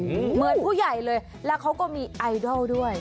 เหมือนผู้ใหญ่เลยแล้วเขาก็มีไอดอลด้วย